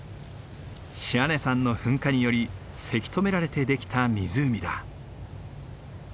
白根山の噴火によりせき止められて出来た湖だ。